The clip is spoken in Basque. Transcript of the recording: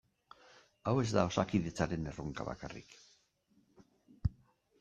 Hau ez da Osakidetzaren erronka bakarrik.